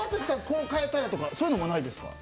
こう変えたらとかそういうのもないですか？